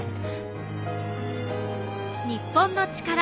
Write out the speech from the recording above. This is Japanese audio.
『日本のチカラ』